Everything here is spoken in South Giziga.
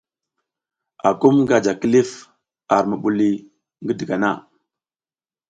Akum nga ji kilif ar mubuliy ngi digana.